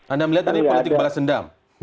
anda melihat ini politik balas dendam